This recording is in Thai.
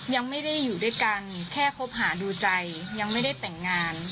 ยังไม่ได้อยู่ด้วยกันแค่คบหาดูใจยังไม่ได้แต่งงาน